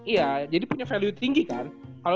iya jadi punya value tinggi kan